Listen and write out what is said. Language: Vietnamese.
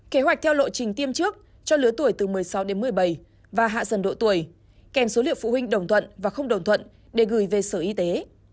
kế hoạch theo lộ trình tiêm trước cho lứa tuổi từ một mươi sáu đến một mươi bảy và hạ dần độ tuổi kèm số liệu phụ huynh đồng thuận và không đồng thuận để gửi về sở y tế